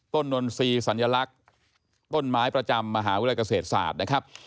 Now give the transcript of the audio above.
นนทรีย์สัญลักษณ์ต้นไม้ประจำมหาวิทยาลัยเกษตรศาสตร์นะครับ